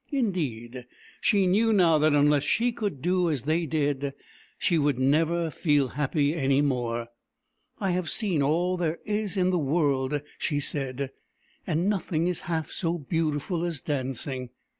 Indeed, she knew now that unless she could do as they did, she would never feel happy any more. " I have seen all there is in the world," she said, " and nothing is half so beautiful as dancing.